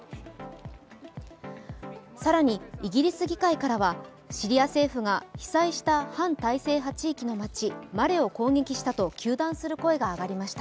更に、イギリス議会からはシリア政府が被災した反体制派地域の町・マレを攻撃したと糾弾する声が上がりました。